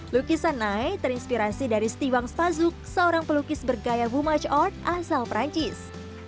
lukisan nai terinspirasi dari stiwang spazuk seorang pelukis bergaya humaj art asal perancis